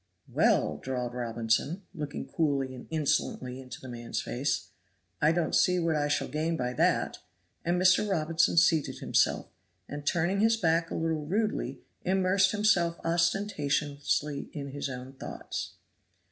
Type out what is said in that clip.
"Well!" drawled Robinson, looking coolly and insolently into the man's face, "I don't see what I shall gain by that." And Mr. Robinson seated himself, and turning his back a little rudely, immersed himself ostentatiously in his own thoughts.